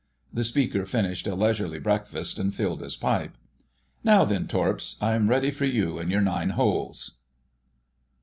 The speaker finished a leisurely breakfast and filled his pipe. "Now then, Torps, I'm ready for you and your nine holes...."